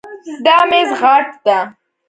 دا میز غټ ده